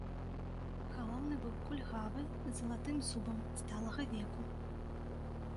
Галоўны быў кульгавы, з залатым зубам, сталага веку.